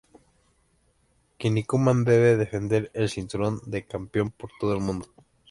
Kinnikuman debe defender el cinturón de campeón por todo el mundo.